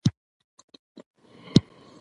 له منځه تللی وو.